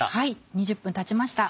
２０分たちました。